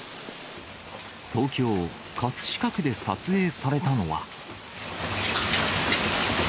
東京・葛飾区で撮影されたのは。